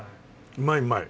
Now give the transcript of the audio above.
うまいうまい。